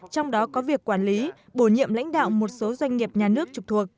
trong đó có việc quản lý bổ nhiệm lãnh đạo một số doanh nghiệp nhà nước trục thuộc